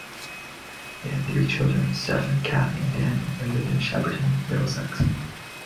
They had three children, Stephen, Cathy and Daniel, and lived in Shepperton, Middlesex.